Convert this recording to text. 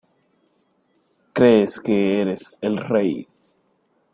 Crees que eres el rey.